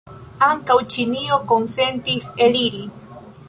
Ankaŭ Ĉinio konsentis eliri.